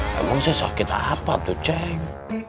kamu sih sakit apa tuh ceng